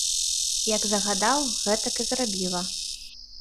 Як загадаў, гэтак і зрабіла.